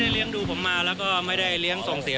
แต่ผมยินดีเข้ารับประบัติครับยินดี